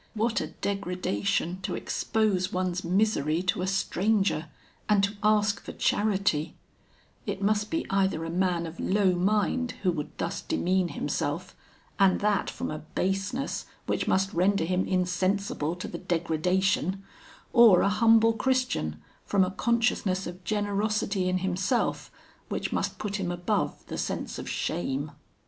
What a degradation to expose one's misery to a stranger, and to ask for charity: it must be either a man of low mind who would thus demean himself, and that from a baseness which must render him insensible to the degradation, or a humble Christian, from a consciousness of generosity in himself, which must put him above the sense of shame.